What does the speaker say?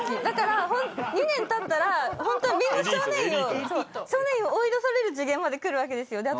だから２年たったらホントみんな少年院を追い出される次元までくるわけですよ。